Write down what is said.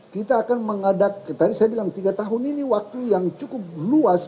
kita akan mengadakan tadi saya bilang tiga tahun ini waktu yang cukup luas